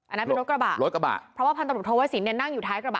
อันนั้นเป็นรถกระบะรถกระบะเพราะว่าพันตำรวจโทวสินเนี่ยนั่งอยู่ท้ายกระบะ